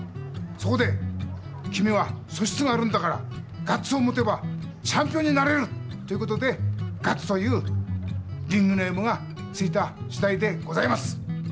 そこで「きみはそしつがあるんだからガッツをもてばチャンピオンになれる！」ということで「ガッツ」というリングネームがついたしだいでございます！